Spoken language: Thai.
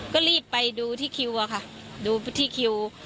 ก็รีบไปดูที่คิวอะค่ะดูที่คิว